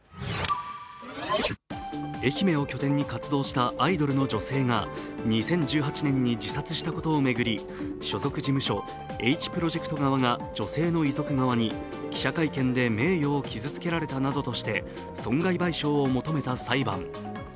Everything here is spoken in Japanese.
愛媛を拠点に活動したアイドルの女性が２０１８年に自殺したことを巡り所属事務所Ｈプロジェクト側が女性の遺族側に記者会見で名誉を傷つけられたなどとして損害賠償を求めた裁判。